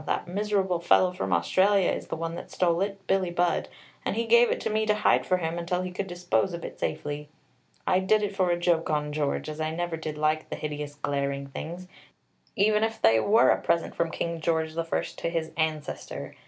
That miserable fellow from Australia is the one that stole it, Billie Budd, and he gave it to me to hide for him until he could dispose of it safely. I did it for a joke on George, as I never did like the hideous glaring things, even if they were a present from King George I to his ancestor.